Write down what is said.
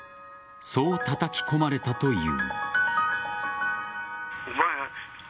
そうたたき込まれたという。